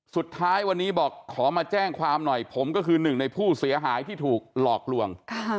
สุดท้ายวันนี้บอกขอมาแจ้งความหน่อยผมก็คือหนึ่งในผู้เสียหายที่ถูกหลอกลวง